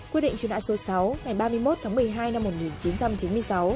quyết định truy nã số sáu ngày ba mươi một tháng một mươi hai năm một nghìn chín trăm chín mươi sáu